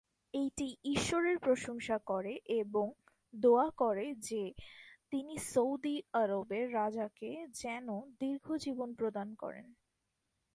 এইটি ঈশ্বরের প্রশংসা করে এবং দোয়া করে যে, তিনি সৌদি আরবের রাজাকে যেন দীর্ঘ জীবন প্রদান করেন।